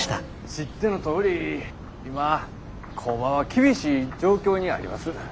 知ってのとおり今工場は厳しい状況にあります。